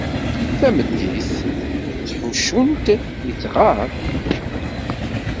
Tameddit, ttḥuccun-t, ittɣar.